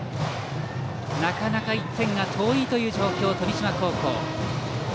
なかなか１点が遠いという状況の富島高校。